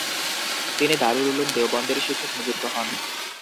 তিনি দারুল উলুম দেওবন্দের শিক্ষক নিযুক্ত হন।